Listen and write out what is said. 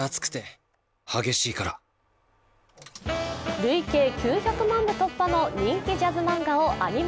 累計９００万部突破の人気ジャズ漫画をアニメ